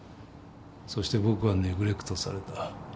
そして僕はネグレクトされた。